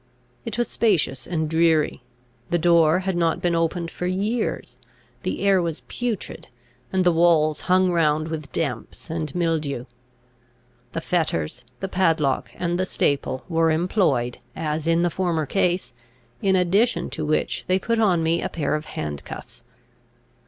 It was spacious and dreary. The door had not been opened for years; the air was putrid; and the walls hung round with damps and mildew. The fetters, the padlock, and the staple, were employed, as in the former case, in addition to which they put on me a pair of handcuffs.